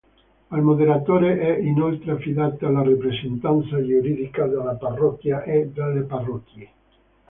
Al moderatore è inoltre affidata la rappresentanza giuridica della parrocchia o delle parrocchie.